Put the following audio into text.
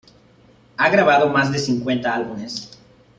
Ha grabado más de cincuenta álbumes.